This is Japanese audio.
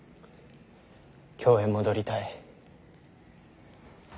京へ戻りたい。